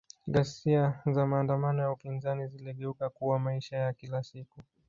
Ghasia za maandamano ya upinzani ziligeuka kuwa maisha ya kila siku